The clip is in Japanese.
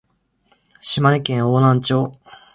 島根県邑南町